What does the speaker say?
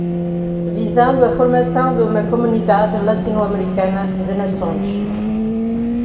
visando à formação de uma comunidade latino-americana de nações.